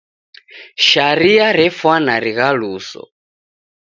Sharia refwana righaluso.